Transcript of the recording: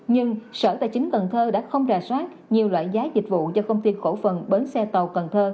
nhưng sở tài chính cần thơ đã không rà soát nhiều loại giá dịch vụ cho công ty cổ phần bến xe tàu cần thơ